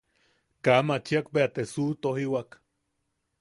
Kaa machiak bea te suʼutojiwak.